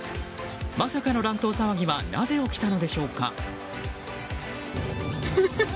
まさかの乱闘騒ぎはなぜ起きたのでしょうか。